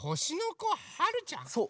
そう。